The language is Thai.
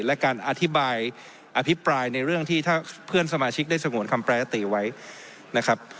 และการอธิบายอภิปรายในเรื่องที่ถ้าเพื่อนสมาชิกได้สงวนคำแปรยติไว้นะครับ